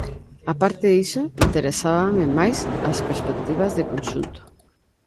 Á parte diso, interesábame máis as perspectivas de conxunto.